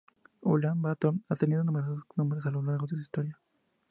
Ulán Bator ha tenido numerosos nombres a lo largo de su historia.